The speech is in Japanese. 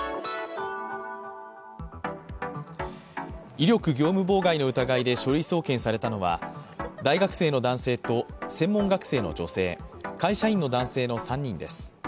威力業務妨害の疑いで書類送検されたのは大学生の男性と、専門学生の女性会社員の男性の３人です。